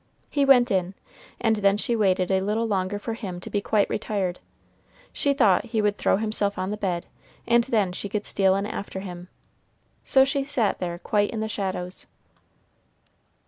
He went in; and then she waited a little longer for him to be quite retired. She thought he would throw himself on the bed, and then she could steal in after him. So she sat there quite in the shadows.